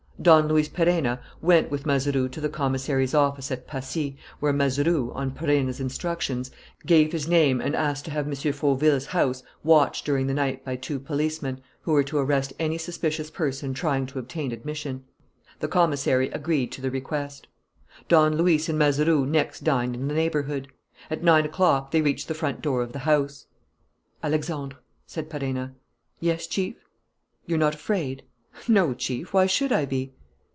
Don Luis Perenna went with Mazeroux to the commissary's office at Passy, where Mazeroux, on Perenna's instructions, gave his name and asked to have M. Fauville's house watched during the night by two policemen who were to arrest any suspicious person trying to obtain admission. The commissary agreed to the request. Don Luis and Mazeroux next dined in the neighbourhood. At nine o'clock they reached the front door of the house. "Alexandre," said Perenna. "Yes, Chief?" "You're not afraid?" "No, Chief. Why should I be?"